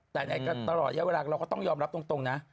แต่ตลอดเวลาก็ต้องยอมรับตรงนะ